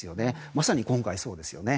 まさに今回がそうですよね。